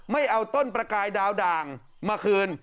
ไม่เอาต้นประกายดาวด่างมาคืน